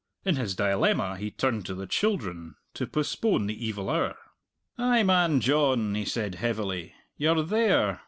In his dilemma he turned to the children, to postpone the evil hour. "Ay, man, John!" he said heavily, "you're there!"